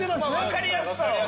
分かりやすさを。